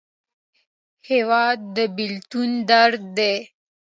هېواد د بېلتون درد دی.